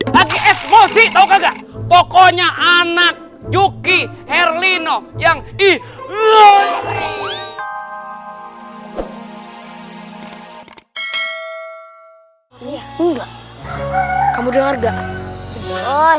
lagi esmosi tau kagak pokoknya anak yuki herlino yang ih ngerti